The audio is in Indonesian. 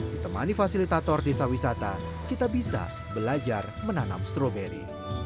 ditemani fasilitator desa wisata kita bisa belajar menanam stroberi